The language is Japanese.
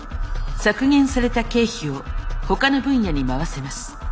削減された経費をほかの分野に回せます。